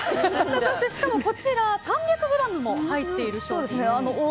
しかもこちら、３００ｇも入ってる商品だと。